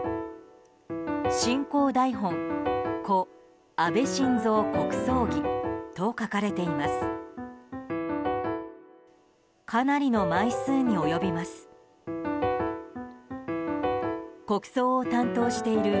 「進行台本故・安倍晋三国葬儀」と書かれています。